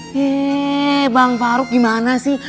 yeee bang faruk gimana sih